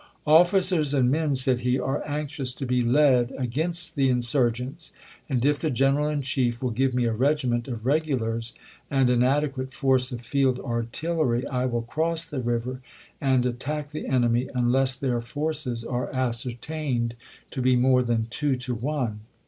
" Officers and men," said he, " are anxious to be led against the insurgents, and if the General in Chief will give me a regiment of regulars, and an adequate force of field artillery, I will cross the river and attack the enemy, unless their forces are ascertained to be more than two to one."